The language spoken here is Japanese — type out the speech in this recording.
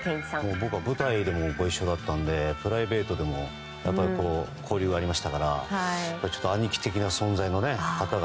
僕は舞台でもご一緒だったのでプライベートでも交流がありましたから兄貴的な存在もね。